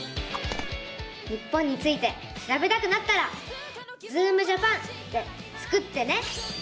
日本についてしらべたくなったら「ズームジャパン」でスクってね！